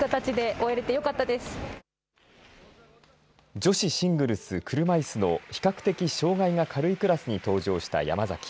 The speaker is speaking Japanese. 女子シングルス車いすの比較的障害が軽いクラスに登場した山崎。